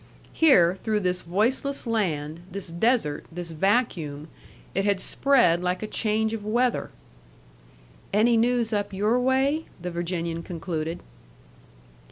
Here, through this voiceless land, this desert, this vacuum, it had spread like a change of weather. "Any news up your way?" the Virginian concluded.